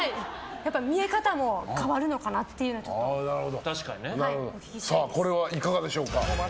やっぱり見え方も変わるのかなっていうのをこれはいかがでしょうか。